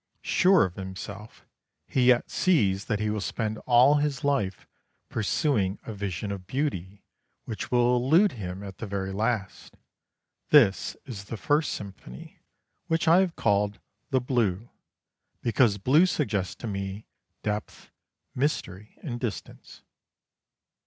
Sure of himself, he yet sees that he will spend all his life pursuing a vision of beauty which will elude him at the very last. This is the first symphony, which I have called the "Blue," because blue suggests to me depth, mystery, and distance.